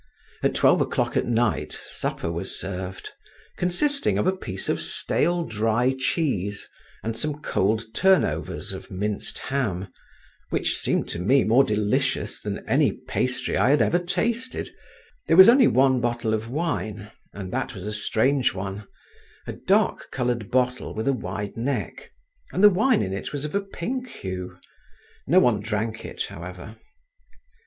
At twelve o'clock at night, supper was served, consisting of a piece of stale dry cheese, and some cold turnovers of minced ham, which seemed to me more delicious than any pastry I had ever tasted; there was only one bottle of wine, and that was a strange one; a dark coloured bottle with a wide neck, and the wine in it was of a pink hue; no one drank it, however.